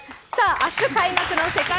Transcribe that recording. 明日開幕の世界